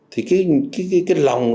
thì cái lòng